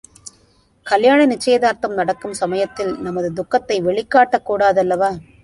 கல்யாண நிச்சயதார்த்தம் நடக்கும் சமயத்தில் நமது துக்கத்தை வெளிக்காட்டக்கூடாதல்லவா?